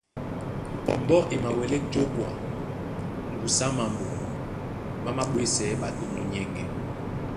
Mbɔ́ e mawɛlɛ́ jǒkwa ŋgusu á mambo má māɓwésɛɛ́ ɓato munyɛŋgɛ.